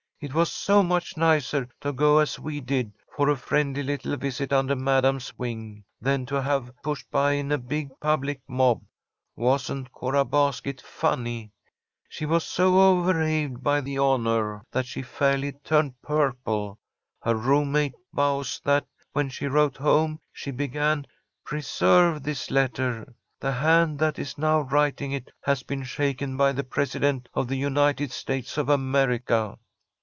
"It was so much nicer to go as we did, for a friendly little visit under Madam's wing, than to have pushed by in a big public mob. Wasn't Cora Basket funny? She was so overawed by the honour that she fairly turned purple. Her roommate vows that, when she wrote home, she began, 'Preserve this letter! The hand that is now writing it has been shaken by the President of the United States of America!'"